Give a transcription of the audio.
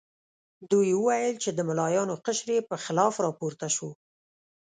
دوی وویل چې د ملایانو قشر یې په خلاف راپورته شو.